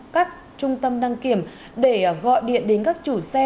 các trung tâm đăng kiểm để gọi điện đến các chủ xe